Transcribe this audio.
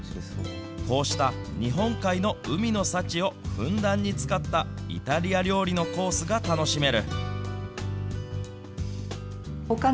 こうした日本海の海の幸をふんだんに使ったイタリア料理のコースが楽しめる。